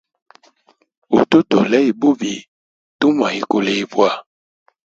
Utu tolea bubi, tumwa ikulibwa.